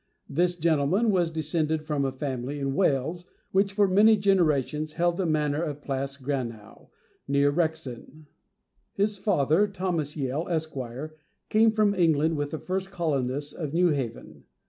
This gentleman was descended from a family in Wales, which for many generations held the manor of Plas Grannow, near Rexon. His father, Thomas Yale, Esq., came from England with the first colonists of New Haven.